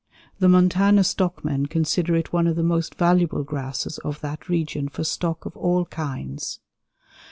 The Montana stockmen consider it one of the most valuable grasses of that region for stock of all kinds.